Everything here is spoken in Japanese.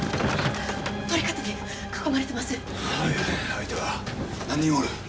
相手は、何人おる？